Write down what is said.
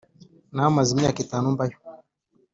nahamaze imyaka itanu mbayo